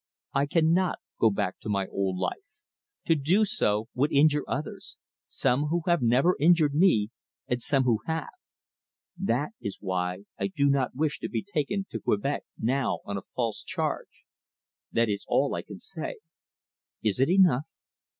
I cannot go back to my old life. To do so would injure others some who have never injured me and some who have. That is why. That is why I do not wish to be taken to Quebec now on a false charge. That is all I can say. Is it enough?"